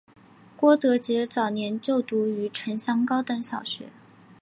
郭德洁早年就读于城厢高等小学。